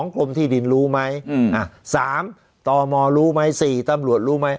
๒กรมที่ดินรู้มั้ย๓ต่อมอร์รู้มั้ย๔ตำรวจรู้มั้ย